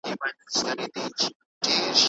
بدن مختلفو موادو ته اړتیا لري.